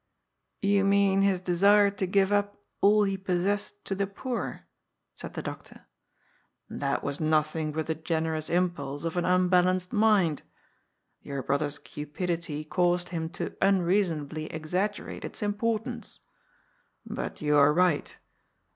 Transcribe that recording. " You mean his desire to give up all he possessed to the poor," said the doctor. " That was nothing but the gener ous impulse of an unbalanced mind. Your brother's cupidity caused him to unreasonably exaggerate its im portance. But you are right.